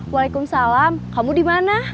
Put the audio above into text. waalaikumsalam kamu dimana